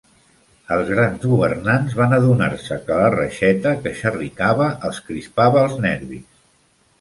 Els gran governants van adonar-se que la reixeta que xerricava els crispava els nervis.